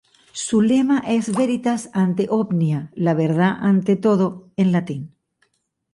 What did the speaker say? Su lema es "veritas ante omnia", "la verdad ante todo" en latín.